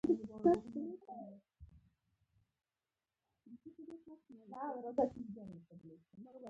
افغانستان کې سیلانی ځایونه د خلکو د خوښې وړ ځای دی.